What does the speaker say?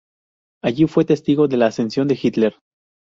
Allí fue testigo de la ascensión de Hitler.